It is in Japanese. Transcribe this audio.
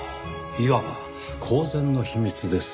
いわば公然の秘密ですねぇ。